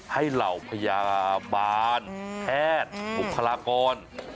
เหล่าพยาบาลแพทย์บุคลากร